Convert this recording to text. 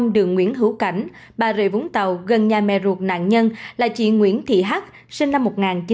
một trăm bốn mươi năm đường nguyễn hữu cảnh bà rịa vũng tàu gần nhà mẹ ruột nạn nhân là chị nguyễn thị hắc sinh năm một nghìn chín trăm tám mươi năm